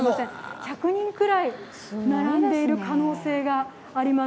１００人くらい並んでいる可能性があります。